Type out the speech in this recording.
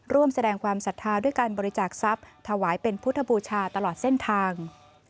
ร่วมแสดงความศรัทธาด้วยการบริจาคทรัพย์ถวายเป็นพุทธบูชาตลอดเส้นทาง